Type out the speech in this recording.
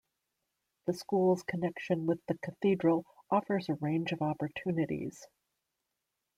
The school's connection with the cathedral offers a range of opportunities.